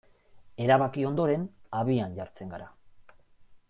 Erabaki ondoren, abian jartzen gara.